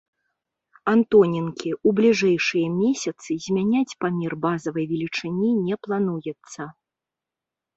Антоненкі, у бліжэйшыя месяцы змяняць памер базавай велічыні не плануецца.